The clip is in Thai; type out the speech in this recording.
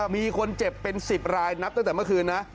มีคนเจ็บเป็น๑๐รายนับตั้งแต่เมื่อคืนนะ